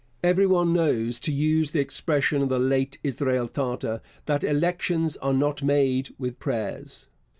Every one knows, to use the expression of the late Israel Tarte, that 'elections are not made with prayers.'